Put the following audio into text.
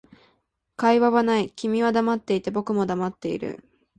会話はない、君は黙っていて、僕も黙っている